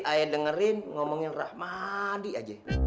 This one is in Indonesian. ayah dengerin ngomongin rahmadi aja